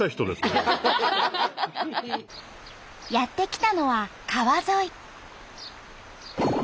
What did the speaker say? やって来たのは川沿い。